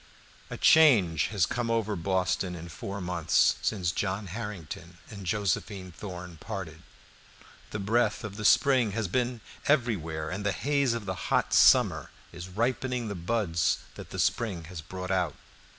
A change has come over Boston in four months, since John Harrington and Josephine Thorn parted. The breath of the spring has been busy everywhere, and the haze of the hot summer is ripening the buds that the spring has brought out.